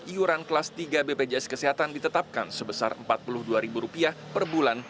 iuran kelas tiga bpjs kesehatan ditetapkan sebesar rp empat puluh dua per bulan